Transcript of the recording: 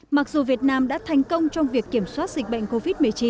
mặc dù việt nam đã thành công trong việc kiểm soát dịch bệnh covid một mươi chín